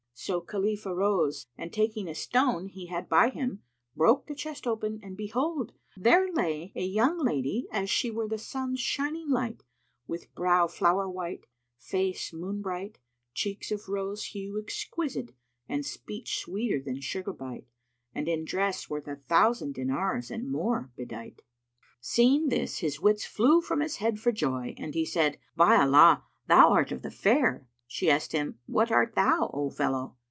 So Khalif arose and taking a stone he had by him, broke the chest open and behold, therein lay a young lady as she were the sun's shining light with brow flower white, face moonbright, cheeks of rose hue exquisite and speech sweeter than sugar bite, and in dress worth a thousand dinars and more bedight. Seeing this his wits flew from his head for joy and he said, "By Allah, thou art of the fair!" She asked him, "What art thou, O fellow?"